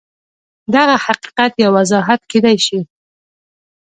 دغه حقیقت یو وضاحت کېدای شي